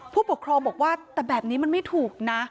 ผู้ปกครองบอกว่าแต่แบบนี้มันไม่ถูกนะ